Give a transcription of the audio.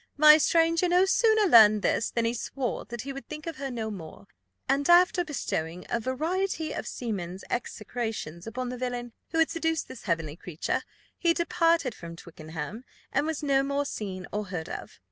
My stranger no sooner learned this than he swore that he would think of her no more; and after bestowing a variety of seamen's' execrations upon the villain who had seduced this heavenly creature, he departed from Twickenham, and was no more seen or heard of.